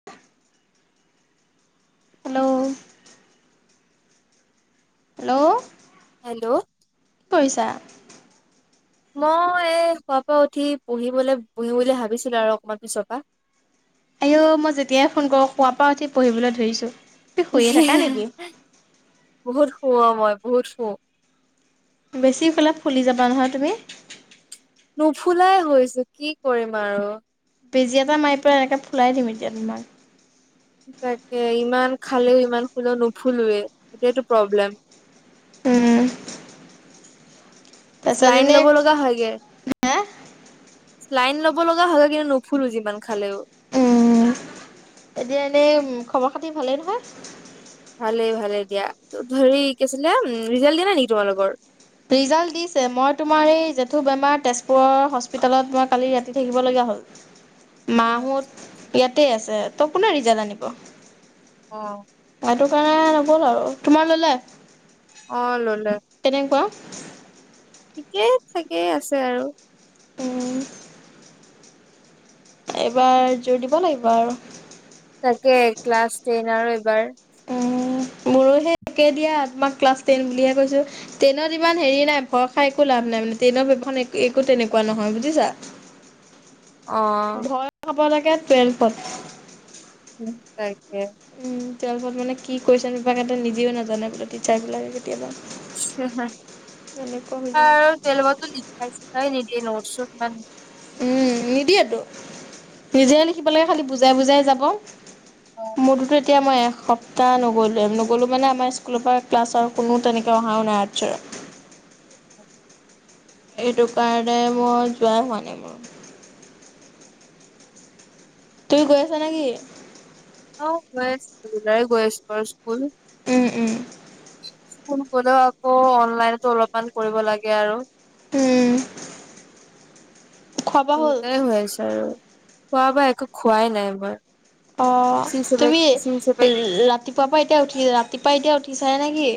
[inaudible] Hello! Hello! Hello! কি কৰিছা? মই এই সুৱাৰ পৰা উঠি, পঢ়িবলৈ বহিম বুলি ভাবিছিলো আৰু অকনমান পিছৰ পৰা। আইঅ', মই যেতিয়াই ফোন কৰোঁ, শোৱাৰ পৰা উঠি পঢ়িবলৈ ধৰিছোঁ। তুমি শুইয়ে থাকা নেকি? বহুত শু, মই বহুত শু। বেছি শুলে, ফুলি যাবা নহয় তুমি। নুফুলাই হৈছো, কি কৰিম আৰু। বেজি এটা মাৰি পেলাই, এনেকৈ ফুলাই দিম এতিয়া তোমাক। তাকে, ইমান খালেও, ইমান খুলেও, নুফুলোৱে, সেইটোয়েটো প্ৰব্লেম। উম। তাৰপিছত শ্লাইন এনে ল'ব লগা হয়গে। হা স্লাইন ল'ব লগা হয়গে কিন্তু নুফুলো যিমান খালেও। উম, এতিয়া এনেই খবৰ-খাতি ভালেই নহয়? ভালেই, ভালেই দিয়া। ত ধৰি কি আছিলে, ৰিজাল্ট দিয়া নেকি তোমালোকৰ? ৰিজাল্ট দিছে। মই তোমাৰ এই জেঠু বেমাৰ তেজপুৰৰ হস্পিটেলত মই কালি ৰাতি থাকিবলগীয়া হ'ল। মাহত ইয়াতে আছে, ত', কোনে ৰিজাল্ট আনিব? অ'। সেইটো কাৰণে নগ'ল আৰু তোমাৰ ল'লে? অ', ল'লে। তেনেকুৱা। ঠিকেই থাকেই আছে আৰু। উম। এইবাৰ যুৰ দিব লাগিব আৰু। তাকে ক্লাছ টেন আৰু এইবাৰ। অ মোৰো সে একে দিয়া আমাক ক্লাছ টেন বুলিহে কৈছো। ট্ৰেইনত ইমান হেৰি নাই ভয় খাই একো লাভ নাই মানে ট্ৰেইনৰ ব্যৱান একো তেনেকুৱা নহয় বুজিছা। অ। ভয় খাব লাগে টোৱেলফত। উম তাকে। উম টোৱেলভত মানে কি কৈচন পেপাৰ কাতে মানে নিজেও নাজানে বোলে টিচাৰ বিলাকে। ট্ৰেনত। আৰু টোৱালভত টো লিখাই শিক্ষাই নিদিয়ে নটচ চত। উম নিদিয়েতো নিজে লিখিব লাগে খালি বুজাই বুজাই যাব। মোৰ টোটো এতিয়া। এতিয়া মই এসপ্তাহ নগ'লো নগ'লো মানে আমাৰ স্কুলৰ পৰা ক্লাছৰ কোনো তেনেকৈ অহাও নাই আৰ্টচৰ। এইটো কাৰণে মই যোৱাই হোৱা নাই মোৰ। তুমি গৈ আছা নে কি? অ গৈ আছো গৈ আছো আৰু স্কুল। ওম ওম। ফোন কৰিলেও আকৌ অনলাইনতো অলপমান কৰিব লাগে আৰু। উম, খোৱা বোৱা হ'ল? দুইটাই হৈ আছে আৰু খোৱা বা একো খোৱাই নাই মই। অঁ চি হিচাপে তুমি চি হিচাপে ৰাতিপুৱাৰ পৰা এতিয়া উঠি ৰাতিপুৱা এতিয়া উঠিচাহ হেনে কি।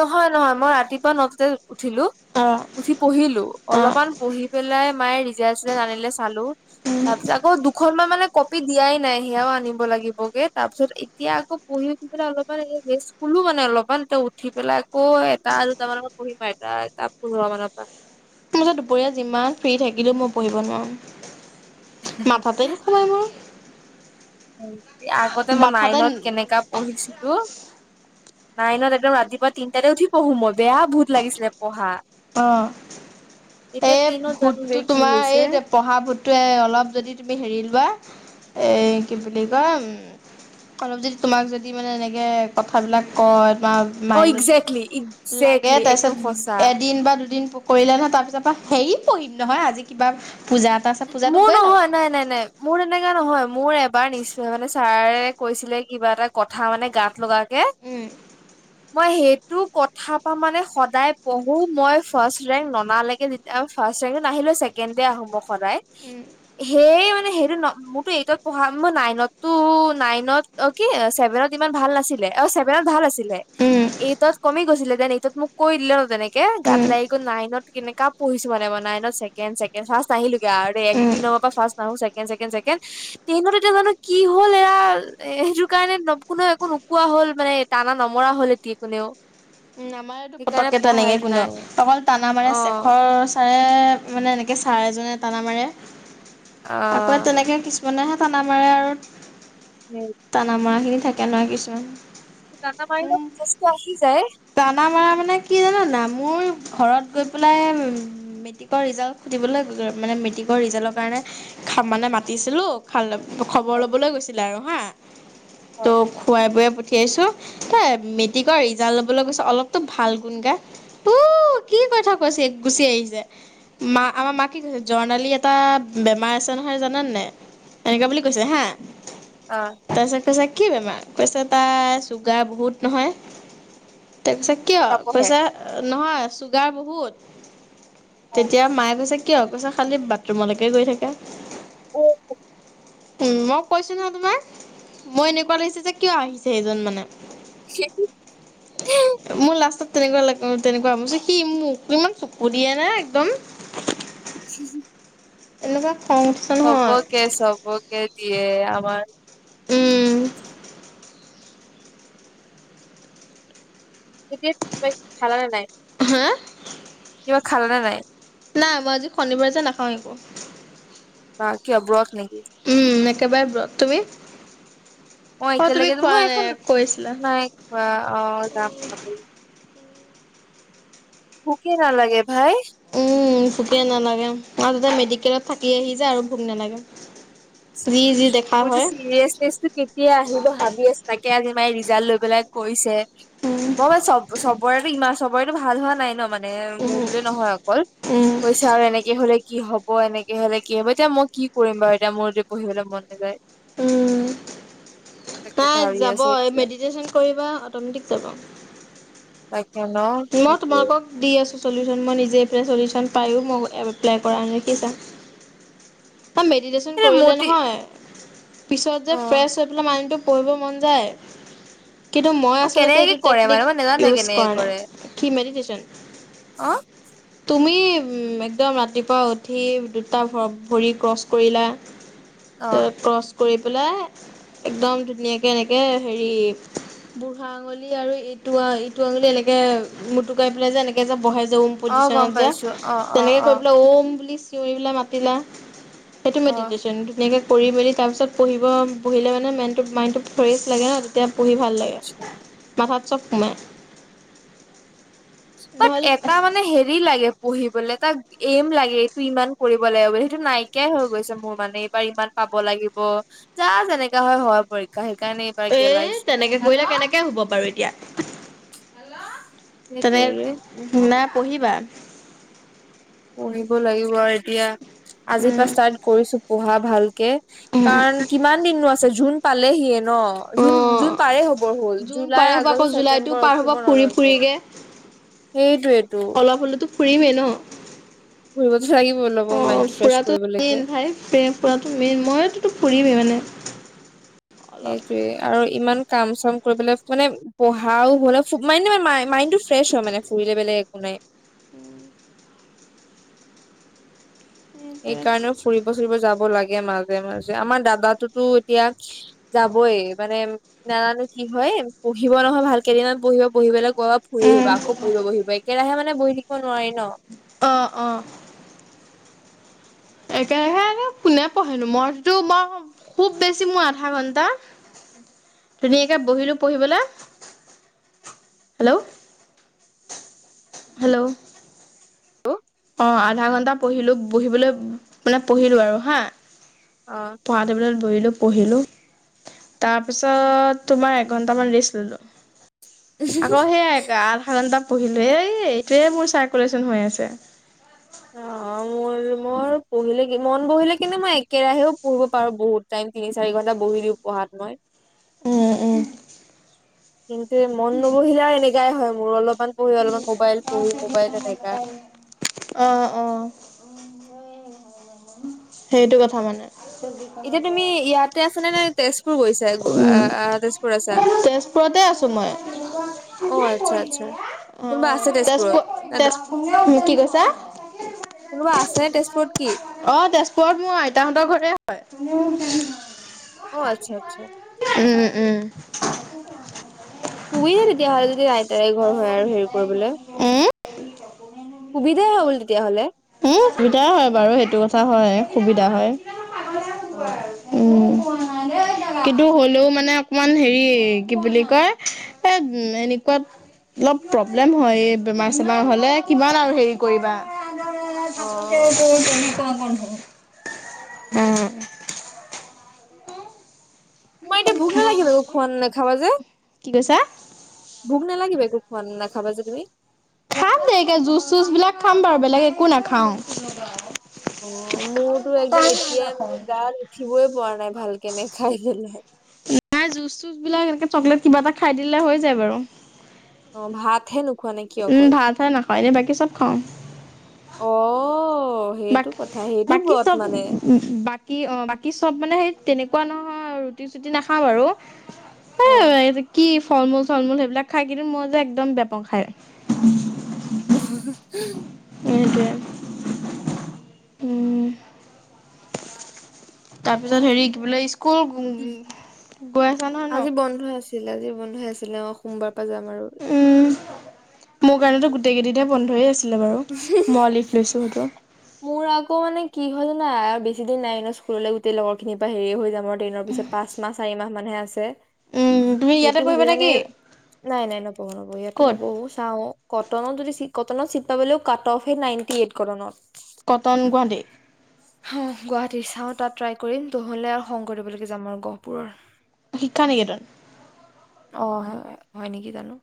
নহয় নহয় মই ৰাতিপুৱা ন তাতে উঠিলো। অঁ। উঠি পঢ়িলো অলপমান পঢ়ি পেলাই মায়ে ৰিজাল্ট চিজাল্ট আনিলে চালো। উম। তাৰপিছত আকৌ দুখন মান মানে। কপি দিয়াই নাই সেয়াও আনিব লাগিবগে তাৰ পিছত এতিয়া আকৌ পঢ়ি উঠি পনে অলপমান ৰেচ। খোলো মানে অলপমান এয়া উঠি পেলাই আকৌ এটা দুটা মানৰ পৰা পঢ়িম এটা পোন্ধৰ মানৰ পৰা। দুপৰীয়া যিমান ফ্ৰী থাকিলো পঢ়িব নোৱাৰো মাথাতে। সাই মোৰ। আগতে মই মাথাতে নাইনত কেনেকা পঢ়িছিলো। নাই ন একদম ৰাতিপুৱা তিনিটাতে উঠি পঢ়ো মই বেয়া ভুত পঢ়া। অ এতিয়া এই টেনত জানো বে ভূতটো কি তোমাৰ হৈছে এই। পঢ়া ভুটোৱে অলপ যদি তুমি হেৰি লোৱা এই কি বুলি কয়। অলপ যদি তোমাক যদি মানে এনেকে কথাবিলাক কয় তোমাক। অ মাইনত একজেক্টলি লাগে একজেক্টলি তাৰপিছত। একদম সঁচা এদিন বা দুদিন কৰিলে নহয় তাৰপিছৰ পৰা হেৰি পঢ়িম নহয় আজি কিবা পূজাত। মোৰ নহয় নাই নাই নাই। মোৰ তেনেকা নহয় মোৰ এবাৰ নিশ্চয় মানে ছাৰে কৈছিলে কিবা এটা কথা মানে গাত লগা। কে। উম মই সেইটো কথা পা মানে সদায় পঢ়ো মই ফাৰ্ষ্ট ৰেংক ননালেকে। ফাৰ্ষ ৰেক নাহিলে ছেকেণ্ড দে আহো মই সদায় সেইয়ে মানে সেইটো নোক। এইটত পঢা নাইনতটো নাইনত অ কি চছেভেনত ইমান ভাল নাছিলে অ চেভেনত ভাল আছিল। উম এইটত কমি গৈছিলে দেন এইটত মোক কৈ দিলে তেনেকে গাত উম লাগি গ'ল নাইনত কেনেকে। কাপ পঢ়িছো মানে মই নাইনত ছেকেণ্ড ছেকেণ্ড ফাৰ্ষ্ট আহিলোগে আৰু দে এক উম দুই নম্বৰ পৰা ফাৰ্ষ্ট ছেকেণ্ড ছেকেণ্ড ছেকেণ্ড ট্ৰেইনত এতিয়া জানো কি হ'ল এৰা এ সেইটো কাৰণে কোনো একো নোকোৱা হল মানে তাপা নমৰা হল ইহঁতি কোনেও নামাৰেতো সেইকাৰণে পতককে তেনেকে পঢ়াইতো কোনেও নাই অকল টানা অ মাৰা শেখৰ এ মানে এনেকে ছাৰ এজনে টানা মাৰে অ আকৌ তেনেকে কিছু মানেহে টানা মাৰে আৰু উম টানা মাৰা খিনি থাকে নহয় কিছুমান টানা মাৰিলে উম জ'চটো আহি যায়। টানা মাৰা মানে কি জান নাই মোৰ ঘৰত গৈ পেলাই মেট্ৰিকৰ ৰিজাল্ট সুধিবলৈ মানে মেট্ৰিকৰ ৰিজাল্টৰ কাৰণে খাব মানে মাতিছিলো খবৰ লবলৈ গৈছিলে আৰু হা অ ত' খুৱাই বুৱাই পঠ ঠিয়াইছো [unintelligible] মেট্ৰিকৰ ৰিজাল্ট লব লৈ গৈছে অলপতো ভাল গুণ গা ও কি কথা কৈছে গুচি আহিছে। মা আমাৰ মাক কি কৈছে জৰ্ণালী এটা বেমাৰ আছে নহয় জানেনে নাই এনেকা বুলি কৈছে হাঁ অ' তাৰপিছত কৈছে কি বেমাৰ কৈছে তাইৰ চুগাৰ বহুত নহয় তাৰপিছত কি আও নপঢ়ে কৈছে, নহয় চুগাৰ বহুত অ তেতিয়া মায়ে কৈছে, কিয় কৈছে খালি বাথৰুমলৈকে গৈ থাকে। [inaudible] উম মই কৈছো নহয় তোমাৰ মই এনেকুৱা লাগিছে যে কিয় আহিছে এইজন মানে [inaudible] মোৰ লাষ্টত তেনেকুৱা লাগিল তেনেকুৱা মই ভাবিছোঁ সি মোক ইমান চকু দিয়েনে একদম [inaudible] এনেকুৱা খং উঠিছে নহয়। [inaudible] কে দিয়ে আমাৰ উম এতিয়া [unintelligible] খালা নে নাই হাঁ কিবা খালা নে নাই? নাই মই আজি শনিবাৰ যে নাখাওঁ একো বা কিয় ব্ৰত নেকি উম একেবাৰে ব্ৰত তুমি মই অ' তুমি এতিয়ালৈকে খোৱা মই একো নাই কৈছিলা নাই খোৱা অ' যাম খাবলৈ ভোকে নালাগে ভাই উম ভোকে নালাগে আৰু যে মেডিকেলত থাকি আহি যে আৰু ভোক নালাগে যি যি দেখা মই যে হয় চিৰিয়েছনেচটো কেতিয়া আহিব ভাবি আছোঁ তাকে আজি মাই ৰিজাল্ট লৈ পেলাই কৈছে উম মই মানে চব চব চবৰেতো ইমান চবৰেতো ভাল হোৱা নাই ন মানে উম মোৰ বুলি নহয় অকল উম কৈছে আৰু এনেকে হ'লে কি হ'ব এনেকে হ'লে কি হ'ব এতিয়া মই কি কৰিম বাৰু এতিয়া মোৰ পঢ়িবলৈ মন নাযায়। তাকে তাই ভাবি যাব আছো এই এতিয়া মেডিটেশ্যন কৰিবা অটোমেটিক যাব, তাকে ন মই সেইটোৱে তোমালোকক- দি আছোঁ চলিউচন মই নিজে এইটো চলিউচন পায়ো মই এপ্লাই কৰা নাই দেখিছা। মেডিটেশ্যন এ কৰিলে মতি নহয়, পিছত যে অ' ফ্ৰেছ হৈ পেলাই মাইণ্ডটো- পঢ়িব মন যায়। কিন্তু মই অ' আচলতে কেনেকে এইটো কৰে টেকনিক মানে মই নাজানো ইউজ কেনেকে কৰা নাই, কি মেডিটেশ্যন? অহ'। তুমি একদম ৰাতিপুৱা উঠি দুটা ভৰি ক্ৰছ কৰিলা। অ'। ক্ৰছ কৰি পেলাই, একদম ধুনীয়াকে এনেকে হেৰি বুঢ়া আঙুলি আৰু ইটো- ইটো আঙুলি এনেকে মটুকাই পেলাই যে এনেকে যে বহে যে ওম অ গম পজিনত যে, পাইছো অ অ তেনেকে অ কৰি পেলাই ওম বুলি মাতিলে, সেইটো অ ধুনীয়াকৈ কৰি মেলি তাৰপিছত পঢ়িব পঢ়িলে মানে মাইনটো মাইণ্ডটো ফ্ৰেছ লাগে হাঁ- তেতিয়া পঢ়ি ভাল লাগে, আচ্ছা মাথাত চব সোমায়। বাট নহ'লে এটা মানে হেৰি লাগে- পঢ়িবলৈ তাক এম লাগে এইটো ইমান কৰিব লাগে বুলি সেইটো নাইকিয়াই হৈ গৈছে, মোৰ মানে এইবাৰ ইমান পাব লাগিব যা, যেনেকা হয়-হয় পৰীক্ষা সেইকাৰণে এইবাৰ গেলাইছো। মইনা কেনেকে শুব বাৰু এতিয়া, তেনে সেইটোৱেৰে নাই পঢ়িবা? পঢ়িব লাগিব আৰু এতিয়া, আজিৰ পৰা উম ষ্টাৰ্ট কৰিছো পঢ়া ভালকে। উম কাৰণ কিমান দিন আছে জুন পালেহিয়ে ন জুন- জুন অ পাৰে হবৰ হ'ল, জুন পাৰে জুলাই, হ'ব আকৌ আগষ্ট, জুলাইতো ছেপ্তেম্বৰ, পাৰ হ'ব অক্টোবৰ নবে ফুৰি- ফুৰিগে। সেইটোৱেতো। ফুৰিমেই ন। ফুৰিবতো লাগিবই। অ', ফুৰাটো মেইন ভাই, ফুৰাটো মেইন মইতো ফুৰিমেই মানে। অলপ সেইটোৱে আৰু ইমান কাম-চাম কৰিবলে মানে পঢ়াও হ'লে ম মাইণ্ডটো ফ্ৰেছ হয় মানে ফুৰিলে বেলেগ একো নাই। উম। সেইকাৰণেও ফুৰিব-চুৰিব যাব লাগে মাজে মাজে আমাৰ দাদাতোতো এতিয়া যাবই মানে নাজানো কি হয়, পঢ়িব নহয় ভাল কেইদিনমান পঢ়িব পঢ়িবলৈ গ ফুৰি উম আহিবা আকৌ পৰিব বহিব একেৰাহে মানে বহি থাকিব নোৱাৰি ন। অ', - অ'। একেৰাহে কোনে পঢ়েনো মইটো মই খুব বেছি মোৰ আধা ঘণ্টা, ধুনীয়াকে বহিলোঁ পঢ়িবলে হেল্ল'। হেল্ল'। অঁ', আধাঘণ্টা পঢ়িলোঁ বহিবলৈ, মানে পঢ়িলোঁ আৰু হা। অ'। পঢ়া টেবুলত বহিলো পঢ়িলোঁ তাৰপিছত তোমাৰ এঘন্টামান ৰেষ্ট ললো। আকৌ সেইয়াই আধাঘণ্টা পঢ়িলো হেই এইটোয়ে মোৰ চাৰকুলেচন হৈ আছে। [unintelligible] মোৰ-মোৰ পঢ়িলে কি মন বহিলে কিন্তু মই একেৰাহেও পঢ়িব পাৰো বহুত টাইম তিনি চাৰি ঘণ্টা বহি দিওঁ। পঢ়াত মই উম, উম। কিন্তু এই মন নবহিলে আৰু এনেকাই হয়, মোৰ অলপমান পঢ়ি অলপমান মোবাইল পঢ়ি মোবাইল এনেকা অ', অ', সেইটো কথা মানে। এতিয়া তুমি ইয়াতে আছানে নে তেজ পুৰ গৈছা উম, আ-আ তেজপুৰ আছা? অ কোনে আচ্ছা আচ্ছা কৰিলে এয়া কোনোবা আছে অ', তেজপুৰত? না তেজপুৰ দ- তেজ কি কৈছা? কোনোবা আছে তেজপুৰত কি? অ', তেজপুৰত মোৰ আইতাহঁতৰ ঘৰে হয়। অ', আচ্ছা, আচ্ছা। উম, উম। সুবিধাই তেতিয়াহ'লে যদি আইতাই ঘৰ হয়, আৰু হেৰি কৰিবলে। উম, সুবিধাই হয়, বোলো তেতিয়াহ'লে। উম, সুবিধাই হয়, বাৰু সেইটো কথা হয়, সুবিধা হয়। অ'। উম কিন্তু হ'লেও মানে অকণমান হেৰি কি বুলি কয় এ এনেকুৱাত অলপ প্ৰব্লেম হয়, এই বেমাৰ চেমাৰ হ'লে কিমান আৰু হেৰি কৰিবা, অ, [unintelligible] উম, তোমাৰ এতিয়া ভোক নালাগিব একো খোৱা নাখাবা যে? কি কৈছা? ভোক নালাগিব একো খোৱা নাখাবা যে, তুমি? খাম দেৰিকে জুচ চুচবিলাক খাম বাৰু বেলেগ একো নাখাওঁ। অ', মোৰতো একদম এতিয়াই মোৰ গা উঠিবই পৰা নাই ভালকে নেখাই পেলাই। নাই জুচ চুচবিলাক এনেকে চকলেট কিবা এটা খাই দিলে হৈ যায় বাৰু। অ ভাতহে নোখোৱা নে কি উম, অকল ভাতহে নাখাওঁ, এনে বাকী চব খাওঁ। অ'। সেইটো কথা সেইটো বাক-বাকী ব্ৰত মানে চব-বাক কি অ', বাকী চব মানে সেই তেনেকুৱা নহয় ৰুটি চুটি নাখাওঁ বাৰু। অ এ এইটো কি ফলমূল চলমূল সেইবিলাক খাই কিন্তু মই যে, একদম বেয়া পাওঁ খায়। হা হা [unintelligible] এইটোৱে তাৰপিছত হেৰি কি বোলে ইস্কুল গৈ আছা নহয় ন? আজি বন্ধ আছে। চিল আজি বন্ধই আছিলে অ', সোমবাৰৰ পৰা যাম আৰু। উম, মোৰ কাৰণেতো গোটেই কেইদিনেই বন্ধই আছিলে বাৰু মই লিভ লৈছোঁ সেইটো। মোৰ আকৌ মানে কি হয়, জানা আৰু বেছি দিন নাই ন' স্কুললৈ গোটেই লগৰখিনিৰ পৰা হেৰি হৈ যাম আৰু টেনৰ পিছত। পাঁচমাহ, চাৰিমাহ মানহে আছে। উম তুমি ইয়াতে সেইটো ভাবি পঢ়িবা নে মানে কি নাই, নাই নপঢ়ো, নপঢ়ো ইয়াতো ক'ত নপঢ়ো চাওঁ। কটনত যদি চিট কটনত চিট পাবলেও কাট অফ হে নাইনটি এইট কটনত। কটন গুৱাহাটী। অহ, গুৱাহাটী চাওঁ তাত ট্ৰাই কৰিম নহ'লে আৰু শংকৰদেৱ লৈকে যাম আৰু গহপুৰৰ। শিক্ষা নিকেতন। অ হয় হয় নেকি জানোঁ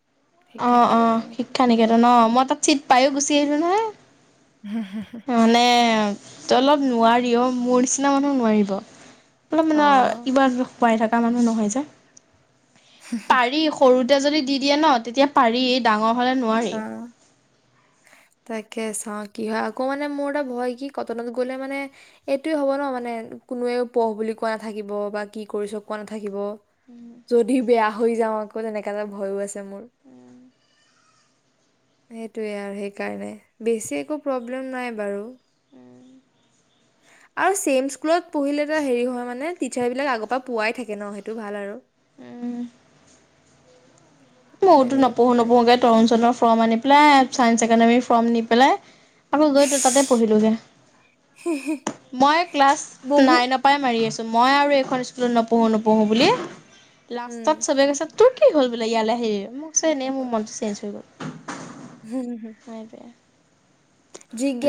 অ অ শিক্ষা নিকেতন, অ মই তাত চিট পায়ো গুচি আহিলোঁ নহয়। হা হা হা। মানে তহঁতৰ লগত নোৱাৰি অ মোৰ নিচিনা মানুহ নোৱাৰিব অলপ অ মানে ইবাৰ পাই থকা মানুহ নহয় যে, পাৰি সৰুতে যদি দি দিয়ে ন তেতিয়া পাৰি ডাঙৰ হ'লে নোৱাৰি। অ তাকে চাওঁ কি হয় আকৌ মানে মোৰ এটা ভয় কি কটনত গ'লে মানে এইটোয়ে হ'ব ন মানে কোনোৱেও পঢ় বুলি কোৱা নাথাকিব বা কি কৰিছ কোৱা নাথাকিব যদি বেয়া হৈ যাওঁ আকৌ তেনেকা এটা ভয়ো আছে মোৰ সেইটোৱে আৰু সেইকাৰণে বেছি একো প্ৰব্লেম নাই বাৰু। আৰু চেম স্কুলত পঢ়িলে এটা হেৰি হয় মানে টিচাৰবিলাক আগৰ পৰা পোৱাই থাকে ন সেইটো ভাল আৰু। উম। মইয়োতঝ বেলেগ একো নপঢ়ো- নাই নপঢ়োকে তৰুণ চণৰ ফৰ্ম আনি পেলাই চাইন্স একাডেমীৰ ফৰ্ম নি পেলাই আকৌ গৈতো তাতে পঢ়িলোগে। মই ক্লাছ বহু নাইন ৰ পৰাই মাৰি আছোঁ। মই আৰু এইখন স্কুলত নপঢ়ো- নপঢ়ো বুলি লাষ্টত উম চবে কৈছে তোৰ কি হ'ল বোলে ইয়ালে আহিলি মই কৈছোঁ এনেই মোৰ মনটো চেঞ্জ হৈ গ'ল। হুম, হুম। [unintelligible]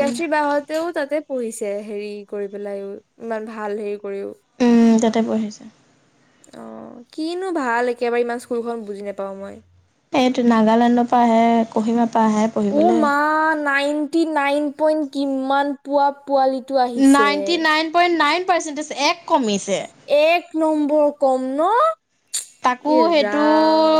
উম বা হতেও তাতে পঢ়িছে হেৰি কৰি পেলাইও ইমান ভাল হেৰি কৰিও। উম, তাতে পঢ়িছে। অ কিনো ভাল একেবাৰে ইমান স্কুলখন বুজি নাপাওঁ মই। এইটো নাগালেণ্ডৰ পৰা আহে, কহিমাৰ পৰা আহে পঢ়িবলৈ। অ নাইন তি নাইন পইণ্ট কিমান পোৱা পোৱালি ninety nine point nine percentage এক কমিছে এক নম্বৰ কম ন! তাকো এ, ৰাম সেইটো